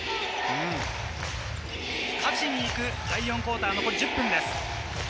勝ちにいく第４クオーター、残り１０分です。